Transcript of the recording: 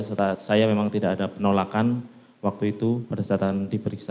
serta saya memang tidak ada penolakan waktu itu pada saat diperiksa